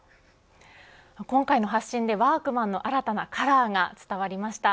今回の発信でワークマンの新たなカラーが伝わりました。